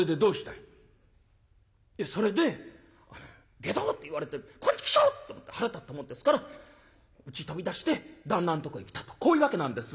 「いやそれで『外道！』って言われてこん畜生って思って腹立ったもんですからうち飛び出して旦那んとこへ来たとこういうわけなんです」。